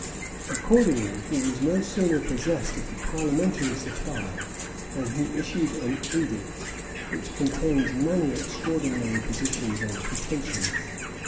[*] Accordingly he was no sooner possessed of the parliamentary supply, than he issued an edict, which contains many extraordinary positions and pretensions.